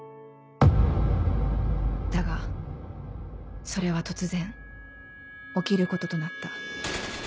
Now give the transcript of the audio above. だがそれは突然起きることとなった